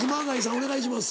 お願いします。